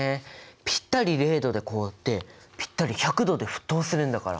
ピッタリ０℃で凍ってピッタリ１００℃で沸騰するんだから！